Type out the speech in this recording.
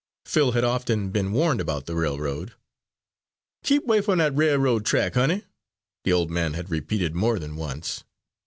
Phil had often been warned about the railroad. "Keep 'way f'm dat railroad track, honey," the old man had repeated more than once.